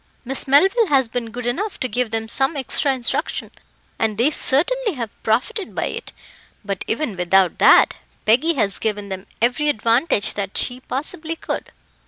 Miss Melville has been good enough to give them some extra instruction, and they certainly have profited by it; but even without that, Peggy has given them every advantage that she possibly could."